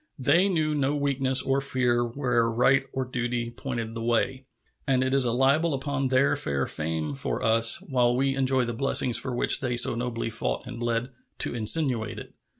They knew no weakness or fear where right or duty pointed the way, and it is a libel upon their fair fame for us, while we enjoy the blessings for which they so nobly fought and bled, to insinuate it.